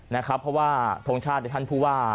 เพราะว่าทรงชาติท่านผู้ว่า